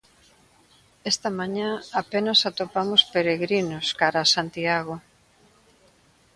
Esta mañá apenas atopamos peregrinos cara a Santiago.